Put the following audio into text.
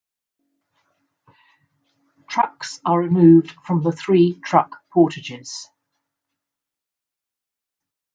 Trucks are removed from the three truck portages.